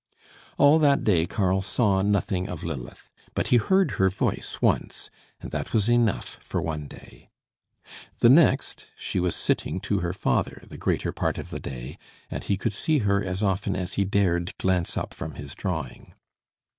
All that day Karl saw nothing of Lilith; but he heard her voice once and that was enough for one day. The next, she was sitting to her father the greater part of the day, and he could see her as often as he dared glance up from his drawing.